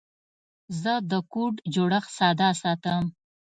زه د کوډ جوړښت ساده ساتم.